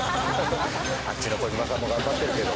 あっちの小島さんも頑張ってるけど。